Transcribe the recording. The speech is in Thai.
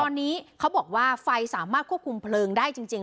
ตอนนี้เขาบอกว่าไฟสามารถควบคุมเพลิงได้จริง